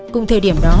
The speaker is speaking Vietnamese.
cùng thời điểm đó